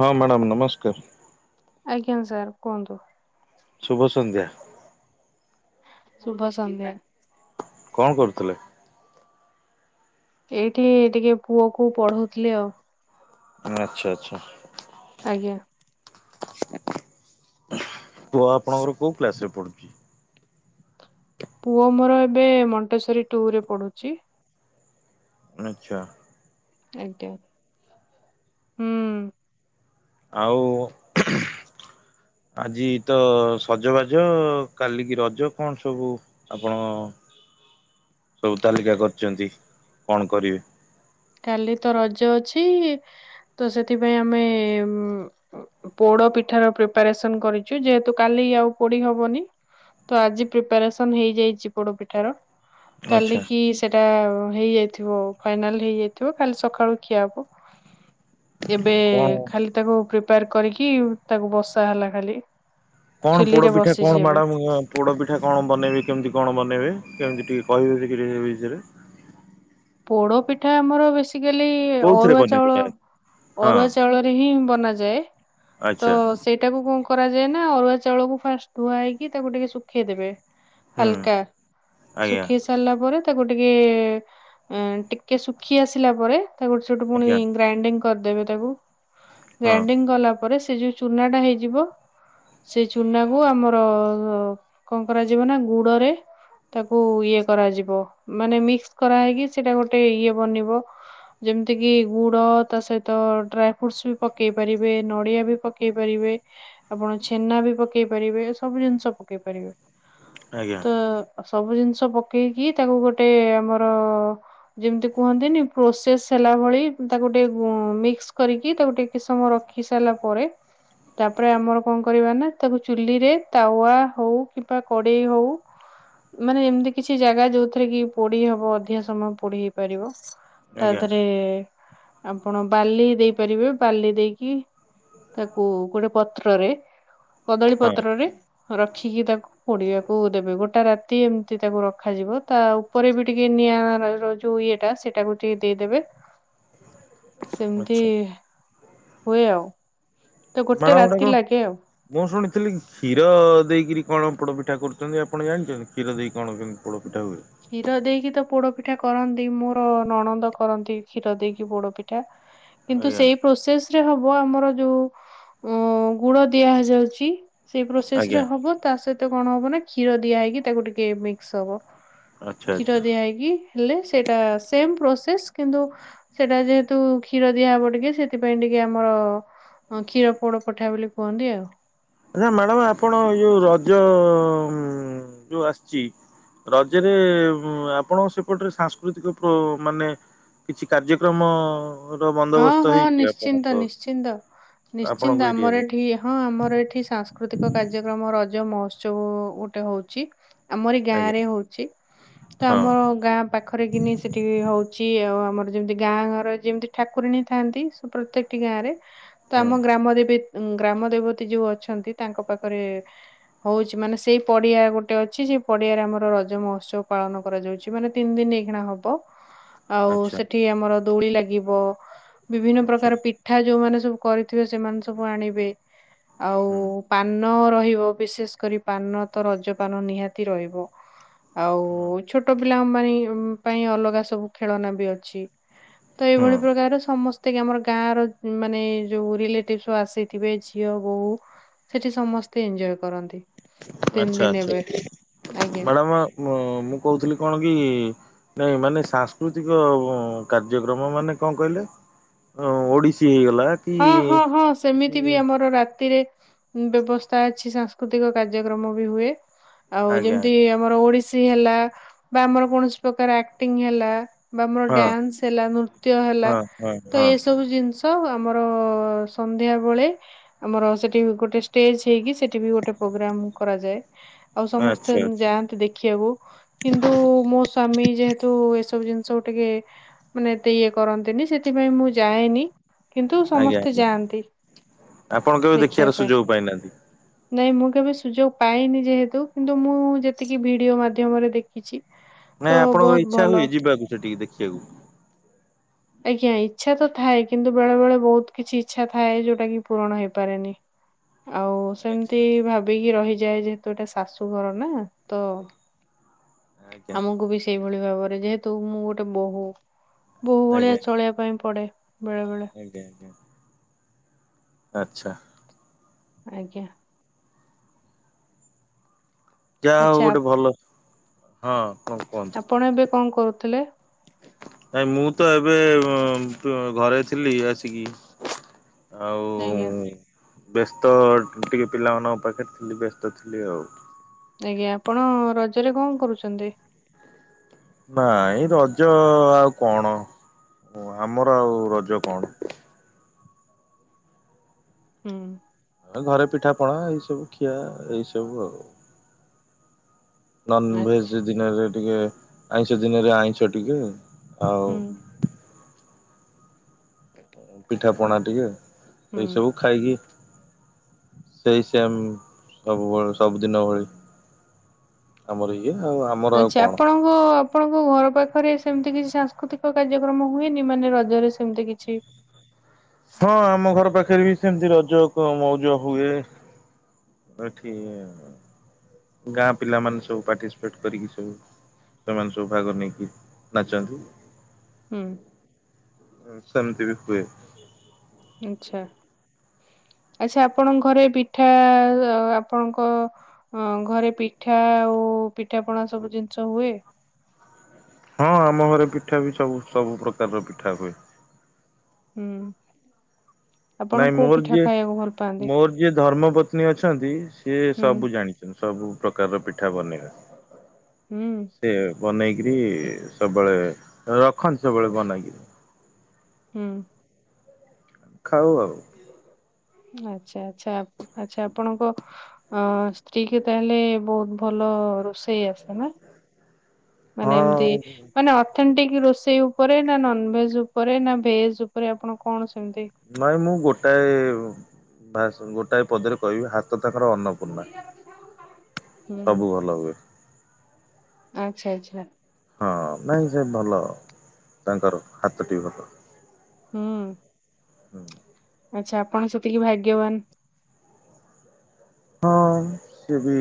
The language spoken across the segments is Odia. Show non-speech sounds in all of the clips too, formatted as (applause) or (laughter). ହଁ ମ୍ୟାଡ଼ାମ୍ ନମସ୍କାର। ଆଜ୍ଞା ସାର୍ କୁହନ୍ତୁ। ଶୁଭ ସନ୍ଧ୍ୟା। ଶୁଭ ସନ୍ଧ୍ୟା। କଣ କରୁଥିଲେ? ଏଇଠି ଟିକେ ପୁଅକୁ ପଢଉଥିଲି ଆଉ। ଆଚ୍ଛା ଆଚ୍ଛା। ଆଜ୍ଞା। ପୁଅ ଆପଣଙ୍କର କୋଉ କ୍ଲାସରେ ପଢୁଛି? ପୁଅ ମୋର ଏବେ ମଣ୍ଟେଶ୍ଵରୀ ଟୁୁ ରେ ପଢୁଛି। ଆଚ୍ଛା। ଆଜ୍ଞା। ହୁଁ। ଆଉ ଆଜି ତ ସଜବାଜ। କାଲିକି ରଜ କଣ ସବୁ? ଆପଣ ସବୁ ତାଲିକା କରିଛନ୍ତି, କଣ କରିବେ? କାଲି ତ ରଜ ଅଛି ତ ସେଥିପାଇଁ ଆମେ ପୋଡ ପିଠାର ପ୍ରିପାରେସନ କରିଚୁ, ଯେହେତୁ କାଲି ଆଉ ପୋଡି ହବନି। ତ ଆଜି ପ୍ରିପାରେସନ ହେଇଯାଇଛି ପୋଡପିଠାର। କାଲି ଆଚ୍ଛା କି ସେଟା ହେଇଯାଇଥିବ। ଫାଇନାଲ ହେଇଯାଇ ଥିବ କାଲି ସକାଳୁ ଖିଆ ହବ ଏବେ କଣ ଖାଲି ତାକୁ ପ୍ରିପାର୍ କରିକି ତାକୁ ବସା ହେଲା ଖାଲି। କଣ ପୋଡ ଚୁଲିରେ ପିଠା ବସିଛି କଣ ଏବେ ମାଡ଼ମ ପୋଡ଼ପିଠା କଣ ବନେଇବେ କେମିତି କଣ ବନେଇବେ, କେମିତି ଟିକେ କହିବେ ସେ ଟିକେ ସେ ବିଷୟରେ। ପୋଡ ପିଠା ଆମର ବେଶୀ ଆଜିକାଲି କୋଉଥିରେ ଅରୁଆ ବନେ ଚାଉଳ ସେଟା ଅରୁଆ ଚାଉଳ ରେ ହିଁ ବନାଯାଏ। ଆ ତ ସେଇଟାକୁ କଣ କରାଯାଏ ନା, ଅରୁଆ ଚାଉଳକୁ ଫାଷ୍ଟ ଧୁଆ ହେଇକି ତାକୁ ଟିକେ ଶୁଖେଇଦେବେ। ହୁଁ ହାଲ୍କା ଆଜ୍ଞା ଶୁଖେ଼ଇ ସାରିଲା ପରେ ତାକୁ ଟିକେ ଉଁ ଟିକେ ଶୁଖି ଆସିଲା ପରେ ତାକୁ ସେଇଠୁ ପୁଣି ଆଜ୍ଞା ଗ୍ରାଇଣ୍ଡିଙ୍ଗ କରିଦେବେ ତାକୁ। ହଁ ଗ୍ରାଇଣ୍ଡିଙ୍ଗ୍ କଲା ପରେ ସେ ଯୋଉ ଚୁନା ଟା ହେଇଯିବ। ସେଇ ଚୁନା କୁ ଆମର କଣ କରାଯିବ ନା ଗୁଡରେ ତାକୁ ଇଏ କରାଯିବ, ମାନେ ମିକ୍ସ କରା ହେଇକି ସେଇଟା ଗୋଟେ ଇଏ ବନିବ। ଯେମିତି କିି ଗୁଡ, ତା ସହିତ ଡ୍ରାଇ ଫ୍ରୁଟସ ବି ପକେଇ ପାରିବେ ନଡିଆ ବି ପକେଇ ପକେଇ ପାରିବେ, ଆପଣ ଛେନା ବି ପକେଇ ପାରିବେ ସବୁ ଜିନିଷ ପକେଇ ପାରିବେ। ଆଜ୍ଞା ଆ ସବୁ ଜିନିଷ ପକେଇକି ତାକୁ ଗୋଟେ ଆମର ଯେମିତି କୁହନ୍ତିନି ପ୍ରୋସେସ୍ ହେଲା ଭଳି ତାକୁ ଟିକେ ମିକ୍ସ କରିକି ତାକୁ ଟିକେ କିଛି ସମୟ ରଖି ସାରିଲା ପରେ ତାପରେ ଆମର କଣ କରିବା ନା ତାକୁ ଚୁଲିରେ ତାୱା ହଉ କିମ୍ବା କଡେଇ ହଉ। ମାନେ ଏମିତି କିଛି ଜାଗା ଯୋଉଥିରେ କି ପୋଡି ହବ ଅଧିକ ସମୟ ପୋଡି ହେଇ ପାରିବ ତା ଆଜ୍ଞା ଦିରେ ଆପଣ ବାଲି ଦେଇପାରିବେ ବାଲି ଦେଇକି ତାକୁ ଗୋଟେ ପତ୍ରରେ କଦଳୀ ହଁ ପତ୍ରରେ ରଖିକି ତାକୁ ପୋଡିବାକୁ ଦେବେ ଗୋଟା ରାତି ଏମିତି ତାକୁ ରଖାଯିବ ତା ଉପରେ ବି ଟିକେ ନିଆଁ ଯୋଉ ଇଏଟା ସେଇଟାକୁ ଟିକେ ଦେଇଦେବେ ସେମିତି ଆଚ୍ଛା ହୁଏ ଆଉ ତ ଗୋଟେ ବଳ ରାତି ଉୁଡ଼କୁ ଲାଗେ ଆଉ (inaudible) ମୁଁ ଶୁଣିଥିଲି କ୍ଷୀର ଦେଇକିରି କଣ ପୋଡ ପିଠା କରୁଛନ୍ତି ଆପଣ ଜାଣିଛନ୍ତି କ୍ଷୀର ଦେଇକି କଣ କେ ପୋଡା ପିଠା ହୁଏ। କ୍ଷୀର ଦେଇକି ତ ପୋଡପିଠା କରନ୍ତି ମୋର ନଣନ୍ଦ କରନ୍ତି କ୍ଷୀର ଦେଇକି ପୋଡପିଠା। (inaudible) କିନ୍ତୁ ଆଜ୍ଞା ସେଇ ପ୍ରୋସେସ ରେ ହବ ଆମର ଯୋଉ ଗୁଡ ଦିଆ ଯାଉଛି। ସେଇ ପ୍ରୋସେସ ଆଜ୍ଞା ରେ ହବ ତା ସହିତ କଣ ହବ ନା କ୍ଷୀର ଦିଆ ହେଇକି ତାକୁ ଟିକେ ମିକ୍ସ ହବ। ଆଚ୍ଛା କ୍ଷୀର ଆଚ୍ଛା। ଦିଆ ହେଇକି ହେଲେ ସେଇଟା ସେମ ପ୍ରସେସ କିନ୍ତୁ ସେଟା ଯେହେତୁ କ୍ଷୀର ଦିଆହବ ଟିକେ ସେଥିପାଇଁ ଟିକେ ଆମର ହଁ କ୍ଷୀର ପୋଡ ପଠା ବୋଲି କୁହନ୍ତି ଆଉ। ଆଜ୍ଞା ମ୍ୟାଡାମ ଆପଣ ଯୋଉ ରଜ ଯୋଉ ଆସିଚି ରଜରେ ଆପଣ ସେପଟରେ ସାଂସ୍କୃତିକ ପ୍ର ମାନେ କିଛି କାର୍ଯ୍ୟକ୍ରମ ର ହଁ ବନ୍ଦୋବସ୍ତ ହଁ ହେଇଛି ଆପଣଙ୍କ ନିଶ୍ଚିନ୍ତ ନିଶ୍ଚିନ୍ତ ଆପଣଙ୍କ ନିଶ୍ଚିନ୍ତ ଆମର ଏରିଆରେ? ଏଠି ହଁ ଆମର ଏଠି। ସେଠି ସାଂସ୍କୃତିକ କାର୍ଯ୍ୟକ୍ରମ ରଜ ମହୋତ୍ସବ ଗୋଟେ ହଉଛି। ଆମରି ଗାଁ ଆଜ୍ଞା ରେ ହଉଛି ତ ହଁ ଆମର ଗାଁ ପାଖରେ କିିନି ସେଠି ହଉଛି ଆଉ ଆମର ଯେମିତି ଗାଁ ଘରେ ଯେମିତି ଠାକୁରଣୀ ଥାନ୍ତି ପ୍ରତ୍ୟେକଟି ଗାଁ ରେ ତ ହୁଁ ଆମ ଗ୍ରାମରେ ଦେବୀ ଉଁ ଗ୍ରାମ ଦେବତୀ ଯୋଉ ଅଛନ୍ତି ତାଙ୍କ ପାଖରେ। ହଉଛି ମାନେ ସେଇ ପଡିଆ ଗୋଟେ ଅଛି ସେଇ ପଡିଆରେ ଆମର ରଜ ମହୋତ୍ସବ ପାଳନ କରାଯାଉଛି। ସେଠି ମାନେ ତିନି ଦିନ ଏଇଖିଣା ହବ। ଆଉ ଆଚ୍ଛା ସେଠି ଆମର ଦୋଳି ଲାଗିବ ବିଭିନ୍ନ ଆଚ୍ଛା ପ୍ରକାର ପି ପିଠା ଯୋଉମାନେ ସବୁ କରିଥିବେ ସେମାନେ ସବୁ ଆଣିବେ ଆଉ ହୁଁ। ପାନ ରହିବ ବିଶେଷ କରି ପାନ ତ ରଜ ପାନ ନିହାତି ରହିବ। ଆଉ ହୁଁ ଛୋଟ ପିଲାଙ୍କ ବାଇଁ ପାଇଁ ଅଲଗା ସବୁ ଖେଳନା ବି ଅଛି। ତ ଏଇଭଳି। ହୁଁ ଭାବରେ ସମସ୍ତେ ଆମର ଗାଁ ର ମାନେ ଯୋଉ ରିଲେଟିଭ ସବୁ ଆସିଥିବେ ଝିଅ ବୋହୁ। ସେଠି ସମସ୍ତେ ଏଞ୍ଜୟ କରନ୍ତି। ତିନି ଆଚ୍ଛା ଦିନ ଆଛା ଏବେ ଆଜ୍ଞା। ମ୍ୟାଡାମ ମୁଁ କହୁଥିଲି କଣ କି? ନାଇଁ ମାନେ ସାଂସ୍କୃତିକ କାର୍ଯ୍ୟକ୍ରମ ମାନେ କଣ କହିଲେ? ଅଁ ଓଡ଼ିଶୀ ହେଇଗଲା। କି ହଁ ହଁ ହଁ କିଛି ସେମିତି ବି ଆମର ରାତିରେ। ବ୍ୟବସ୍ଥା ଅଛି ସାଂସ୍କୃତିକ କାର୍ଯ୍ୟକ୍ରମ ବି ହୁଏ। ଆଉ ଆଜ୍ଞା ଯେମିତି ଆମର ଓଡିଶୀ ହେଲା ବା ଆମର କୌଣସି ପ୍ରକାର ଆକ୍ଟିଂ ହେଲା। ବା ଆମର ହଁ ଡ୍ୟାନ୍ସ ହେଲା ନୃତ୍ୟ ହେଲା ହଁ ହଁ ତ ହଁ ଏସବୁ ଜିନିଷ। ଆମର ସନ୍ଧ୍ୟାବେଳେ। ଆମର ସେଠି ଗୋଟେ ଷ୍ଟେଜ ହେଇକି ସେଠି ବି ଗୋଟେ ପ୍ରୋଗ୍ରାମ କରାଯାଏ। ଆଉ ଆଚ୍ଛା ସମସ୍ତେ ଆଚ୍ଛା ଯାଆନ୍ତି ଦେଖିବାକୁ। କିନ୍ତୁ ମୋ ସ୍ଵାମୀ ଯେହେତୁ ଏସବୁ ଜିନିଷ ଟିକେ। ମାନେ ଏତେ ଇଏ କରନ୍ତିନି ସେଥିପାଇଁ ମୁଁ ଯାଏନି। କିନ୍ତୁ ଆଜ୍ଞା ସମସ୍ତେ ଆଜ୍ଞା ଯାଆନ୍ତି ଆପଣ କେବେ ଦେଖିବା ଦେଖିବାର ପାଇଁ। ସୁଯୋଗ ପାଇନାହାନ୍ତି ନାଇଁ ମୁଁ କେବେ ସୁଯୋଗ ପାଇନି ଯେହେତୁ କିନ୍ତୁ ମୁଁ ଯେତିକି ଭିଡିଓ ମାଧ୍ୟମରେ ଦେଖି ନାଇଁ ଆପଣଙ୍କର ଇଚ୍ଛା ହୁଏ ଯିବାକୁ ସେଠିକି ଦେଖିବାକୁ। ଆଜ୍ଞା ଇଚ୍ଛା ତ ଥାଏ କିନ୍ତୁ ବେଳେ ବେଳେ ବହୁତ କିଛି ଇଚ୍ଛା ଥାଏ ଯୋଉଟା କି ପୂରଣ ହେଇପାରେନି। ଆଉ ସେମିତି ଆଚ୍ଛା ଭାବିକି ରହିଯାଏ ଯେହେତୁ ଏଇଟା ଶାଶୁଘର ନା ତ। ଆଜ୍ଞା ଆମକୁ ବି ସେଇଭଳି ଭାବରେ ଯେହେତୁ ମୁଁ ଗୋଟେ ବୋହୂ ବୋ ହୁଁ ଭଳିଆ ଆଜ୍ଞା ଚଳିବା ପାଇଁ ପଡେ ବେଳେ ବେଳେ। ଆଜ୍ଞା ଆଜ୍ଞା। ଆଚ୍ଛା। ଆଜ୍ଞା। ଯାହା ହଉ ଆଚ୍ଛା ଗୋଟେ ଆପ- ଭଲ ହଁ କଣ କୁହନ୍ତୁ। ଆପଣ ଏବେ କଣ କରୁଥିଲେ। ନାଇଁ ମୁଁ ତ ଏବେ ଏଁ ଘରେ ଥିଲି ଆସିକି। ଆଉ ଆଜ୍ଞା ବ୍ୟସ୍ତ ଟିକେ ପିଲାମାନଙ୍କ ପାଖେରେ ଥିଲି ବ୍ୟସ୍ତ ଥିଲି ଆଉ। ଆଜ୍ଞା ଆପଣ ରଜରେ କଣ କରୁଛନ୍ତି। ନାଇଁ ରଜ ଆଉ କଣ ଆମର ଆଉ ରଜ କଣ। ହୁଁ। ଏ ଘରେ ପିଠାପଣା ଏଇ ସବୁ ଖିଆ ଏଇ ସବୁ ଆଉ। ନନ ଆଚ୍ଛା ଭେଜ ଦିନରେ ଟିକେ ଆଇଁଷ ଦିନରେ ଆଇଁଷ ଟିକେ ଆଉ। ହୁଁ ପିଠା ପଣା ଟିକେ ଏଇ ହୁଁ। ସବୁ ଖାଇକି। ସେଇ ସେମ ସବୁବେଳେ ସବୁଦିନ ଭଳି ଆମର ଏଇ। ଦିଅ ଆଉ ଆମ। ଆଛା ଆପଣ ହୁ ଆପଣଙ୍କ ଘର ପାଖରେ ସେମିତି କିଛି ସାଂସ୍କୃତିକ କାର୍ଯ୍ୟକ୍ରମ ହୁଏନି ମାନେ ରଜରେ ସେମତି କିଛି ହଁ ଆମ ଘର ପାଖରେ ବି ସେମିତି ରଜ ମଉଜ ହୁଏ ଏଠି ଗାଁ ପିଲାମାନୋ ସବୁ ପାର୍ଟିସିପେଟ କରିକି ସବୁ ସେମାନେ ସବୁ ଭାଗ ନେଇକି ନାଚନ୍ତି ହୁଁ ସେମିତି ବି ହୁଏ ଆଚ୍ଛା ଆଚ୍ଛା ଆପଣଙ୍କ ଘରେ ପିଠା ଆପଣଙ୍କ ହଁ ଘରେ ପିଠା ଆଉ ପିଠା ପଣା ସବୁ ଜିନିଷ ହୁଏ ହଁ ଆମ ଘରେ ପିଠା ବି ସବୁ ସବୁ ପ୍ରକାରର ପିଠା ହୁଏ ହୁଁ ଆପଣ ନାଇଁ କୋଉ ମୋର ପିଠା ଯିଏ ଖାଇବାକୁ ଭଲ ପାଆନ୍ତି ମୋର ଯିଏ ଧର୍ମ ପତ୍ନୀ ଅଛନ୍ତି ସିଏ ହୁଁ ସବୁ ଜାଣିଛନ୍ତି ସବୁ ପ୍ରକାରର ପିଠା ବନେଇବା ହୁଁ ସେ ବନେଇକରି ସବୁବେଳେ ରଖନ୍ତି ସବୁବେଳେ ବନେଇକିରି ହୁଁ ଖାଉ ଆଉ ଆଚ୍ଛା ଆଚ୍ଛା ଆଚ୍ଛା ଆପଣଙ୍କ ଅ ସ୍ତ୍ରୀ କି ତାହେଲେ ବହୁତ ଭଲ ରୋଷେଇ ଆସେ ନା ମାନେ ଏମତି ହଁ ମାନେ ସେମତି କି ରୋଷେଇ ଉପରେ ନା ନନ ଭେଜ ଉପରେ ନା ଭେଜ ଉପରେ ଆପଣ କଣ ସେମିତି ନାଇଁ ମୁଁ ଗୋଟାଏ ଗୋଟାଏ ପଦରେ କହିବି ହାତ ତାଙ୍କର ଅନ୍ନପୂର୍ଣ୍ଣା ସବୁ ଭଲ ହୁଏ ଆଛା ଆଛା ହଁ ନାଇଁ ସେ ଭଲ ତାଙ୍କର ହାତଟି ଭଲ ହଁ ଆଚ୍ଛା ଆପଣ ସେତିକି ଭାଗ୍ୟବାନ ହଁ ସିଏ ବି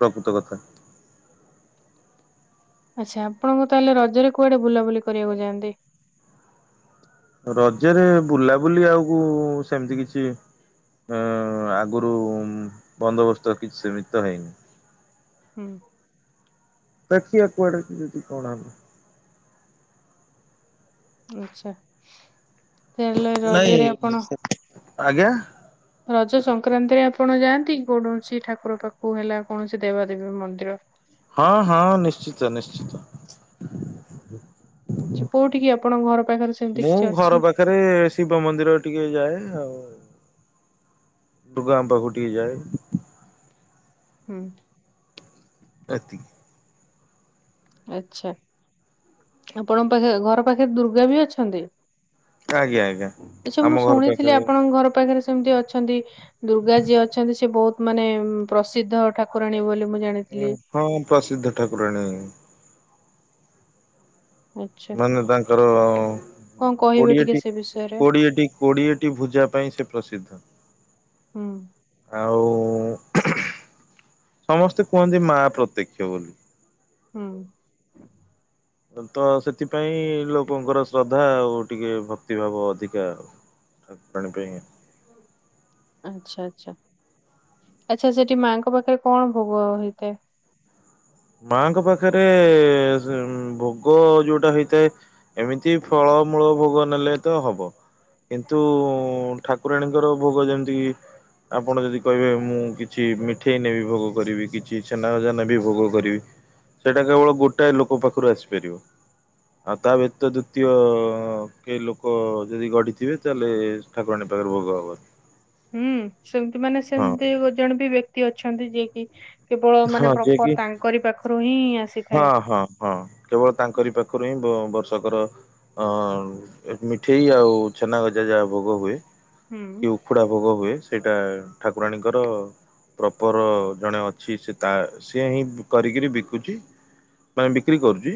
ପ୍ରକୃତ କଥା ଆଚ୍ଛା ଆପଣଙ୍କ ତାହେଲେ ରଜରେ କୁଆଡେ ବୁଲାବୁଲି କରିବାକୁ ଯାଆନ୍ତି ରଜରେ ବୁଲାବୁଲି ଆଉ ସେମିତି କିଛି ହଁ ଆଗରୁ ବନ୍ଦୋବସ୍ତ କିଛି ସେମିତ ତ ହେଇନି। ହୁଁ ଦେଖିଆ କୁଆଡେ କେମିତି କଣ ହେବ ଆଛା ନାଇଁ ଆଜ୍ଞା ରଜ ସଂକ୍ରାନ୍ତିରେ ଆପଣ ଯାଆନ୍ତି କୌଣସି ଠାକୁର ପାଖକୁ ହେଲା କୌଣସି ଦେବାଦେବୀ ମନ୍ଦିର ହଁ ହଁ ନିଶ୍ଚିତ ନିଶ୍ଚିତ ଛୁ କୋଉଠି କି ଆପଣଙ୍କ ଘର ପାଖରେ ସେମିତି କିଛି ଅଛି ସାରେ ଶିବ ମନ୍ଦିର ଟିକେ ଯାଏ ଆଉ ଦୁର୍ଗା ମା ପାଖକୁ ଟିକେ ଯାଏ ହୁଁ ଏତିକି ଆଛା ଆପଣଙ୍କ ପାଖେ ଘର ପାଖରେ ଦୁର୍ଗା ବି ଅଛନ୍ତି? ଆଜ୍ଞା ଆଜ୍ଞା। ଆଛା ଆମ ମୁଁ ଘର ଶୁଣିଥିଲି ପାଖରେ ଆପଣଙ୍କ ଘର ପାଖରେ ସେମିତି ଅଛି ଅଛନ୍ତି ଦୁର୍ଗା ଯିଏ ଅଛନ୍ତି ସେ ବହୁତ ମାନେ ପ୍ରସିଦ୍ଧ ଠାକୁରାଣୀ ବୋଲି ମୁଁ ଜାଣି ଉଁ ହଁ ମୁଁ ପ୍ରସିଦ୍ଧ ଠାକୁରାଣୀ ଆଚ୍ଛା ମାନେ ତାଙ୍କର କଣ କହିବେ ଟିକେ କୋଡିଏଟି ସେ ବିଷୟରେ? କୋଡିଏଟି କୋଡ଼ିଏଟି ଭୁଜା ପାଇଁ ସେ ପ୍ରସିଦ୍ଧ। ହୁଁ ଆଉ (unintelligible) ସମସ୍ତେ କୁହନ୍ତି ମା ପ୍ରତ୍ୟକ୍ଷ ବୋଲି। ହୁଁ। ତ ସେଥିପାଇଁ ଲୋକଙ୍କର ଶ୍ରଦ୍ଧା ଆଉ ଟିକେ ଭକ୍ତିଭାବ ଅଧିକା ଆଉ, ଠାକୁରାଣୀ ପାଇଁ ଆଚ୍ଛା ଆଚ୍ଛା। ଆଚ୍ଛା ସେଠି ମାଆଙ୍କ ପାଖରେ କଣ ଭୋଗ ହେଇଥାଏ? ମାଙ୍କ ପାଖରେ ଭୋଗ ଯୋଉଟା ହେଇଥାଏ ଏମିତି ଫଳମୂଳ ଭୋଗ ନେଲେ ତ ହବ। କିନ୍ତୁ ଠାକୁରାଣୀଙ୍କର ଭୋଗ ଯେମିତି ଆପଣ ଯଦି କହିବେ ମୁଁ କିଛି ମିଠେଇ ନେବି ଭୋଗ କରିବି କିଛି ଛେନା ଗଜା ନେବି ଭୋଗ କରିବି, ସେଇଟା କେବଳ ଗୋଟାଏ ଲୋକ ପାଖରୁ ଆସିପାରିବ। ଆଉ ତା ବ୍ୟତୀତ ଦ୍ୱଵିତୀୟ କେହି ଲୋକ ଯଦି ଗଢ଼ିଥିବେ ତାହେଲେ ଠାକୁରାଣୀ ପାଖରେ ଭୋଗ ହବ ହୁଁ, ସେମିତି ମାନେ ହଁ ସେମିତି ଜଣେ ବି ବ୍ୟକ୍ତି ଅଛନ୍ତି ଯିଏ କିି କେବଳ ହଁ ମାନେ ଯିଏ କି ପ୍ରପର ତାଙ୍କରି ପାଖରୁ ହିଁ ଆସେ ହଁ ହଁ ହଁ କେବଳ ତାଙ୍କରି ପାଖରୁ ହିଁ ବ ବର୍ଷକର ଅଁ ମିଠେଇ ଆଉ ଛେନା ଗଜା ଯାହା ଭୋଗ ହୁଏ। ହୁଁ କୁ ଉଖୁଡା ଭୋଗ ହୁଏ ସେଇଟା ଠାକୁରାଣୀଙ୍କର ପ୍ରପର୍ ଜଣେ ଅଛି ସେ ତା ସିଏ ହିଁ କରିକିରି ବିକୁଚି। ପାଇଁ ବିକ୍ରି କରୁଛି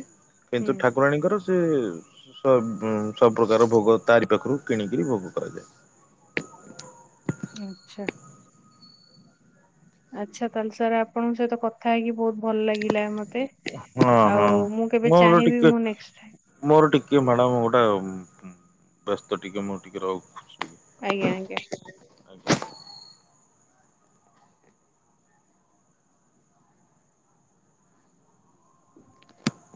ହୁଁ କିନ୍ତୁ ଠାକୁରାଣୀଙ୍କର ସେ ସବ ସବୁ ପ୍ରକାର ଭୋଗ ତାରି ପାଖରୁ କିଣିକିରି ଭୋଗ କରାଯାଏ। ଆଛା। ଆଚ୍ଛା ତାହେଲେ ସାର୍ ଆପଣଙ୍କ ସହିତ କଥା ହେଇକି ବହୁତ ଭଲ ଲାଗିଲା ମତ୍ ତେ ହଁ ହଁ ଆଉ ମୁଁ କେବେ ମୋର ଚାହିଁବି ଟିକେ ମୁଁ ନେଷ୍ ମୋର ଟିକେ ମ୍ୟାଡ଼ାମ ଗୋଟା ବ୍ୟସ୍ତ ଟିକେ ମୁଁ ଟିକେ ରହୁ ଆଜ୍ଞା ଆଜ୍ଞା।